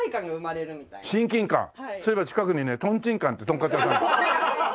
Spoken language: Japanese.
そういえば近くにね豚珍館ってとんかつ屋さん。